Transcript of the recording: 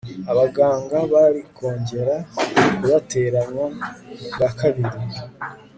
abaganga bari kongera kuyateranya bwakabiri